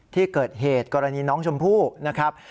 ที่เกิดเหตุกรณีน้องชมพู่นะครับ